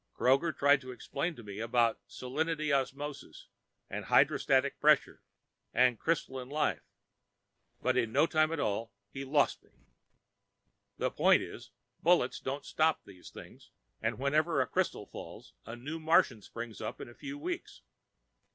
Kroger tried to explain to me about salinity osmosis and hydrostatic pressure and crystalline life, but in no time at all he lost me. The point is, bullets won't stop these things, and wherever a crystal falls, a new Martian springs up in a few weeks.